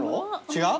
違う？